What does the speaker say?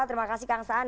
terima kasih kang saan